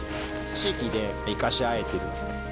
地域で生かし合えてる。